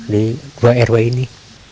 dari dua rw ini